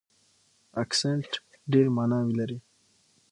اکسنټ ډېرې ماناوې لري.